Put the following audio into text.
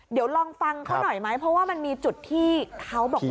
เดี๋ยวลองฟังเขาหน่อยไหมเพราะว่ามันมีจุดที่เขาบอกว่า